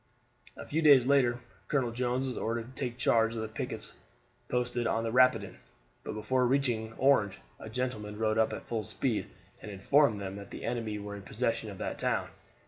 A few days later Colonel Jones was ordered to take charge of the pickets posted on the Rapidan, but before reaching Orange a gentleman rode up at full speed and informed them that the enemy were in possession of that town.